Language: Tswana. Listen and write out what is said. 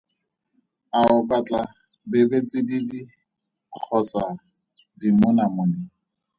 A o batla bebetsididi kgotsa dimonamone?